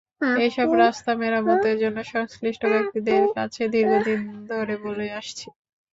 এসব রাস্তা মেরামতের জন্য সংশ্লিষ্ট ব্যক্তিদের কাছে দীর্ঘদিন ধরে বলে আসছি।